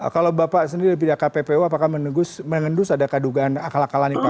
kalau bapak sendiri dari pindaka ppo apakah mengendus ada kedugaan akal akalan itu pak